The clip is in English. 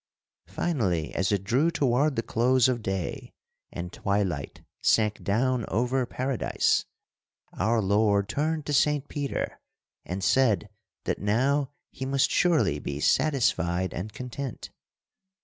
Finally, as it drew toward the close of day, and twilight sank down over Paradise, our Lord turned to Saint Peter and said that now he must surely be satisfied and content.